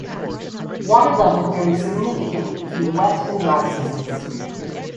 Water level varies significantly between wet and dry seasons.